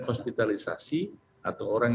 hospitalisasi atau orang